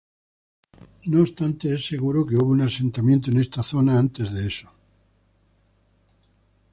No obstante, es seguro que hubo un asentamiento en esta zona antes de eso.